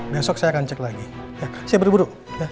besok saya akan cek lagi saya berburu